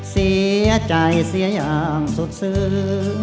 เสียใจเสียอย่างสุดซื้อ